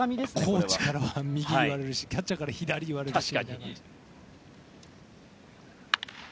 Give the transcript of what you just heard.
コーチからは右と言われるしキャッチャーからは左と言われるし。